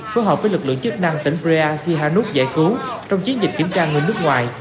phối hợp với lực lượng chức năng tỉnh prea sihanout giải cứu trong chiến dịch kiểm tra người nước ngoài